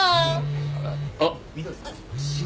あっ。